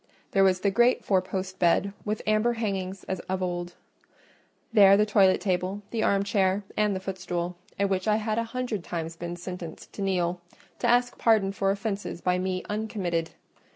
There was the great four post bed with amber hangings as of old; there the toilet table, the armchair, and the footstool, at which I had a hundred times been sentenced to kneel, to ask pardon for offences by me uncommitted.